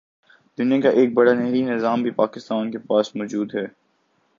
دنیا کا ایک بڑا نہری نظام بھی پاکستان کے پاس موجود ہے